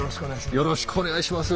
よろしくお願いします。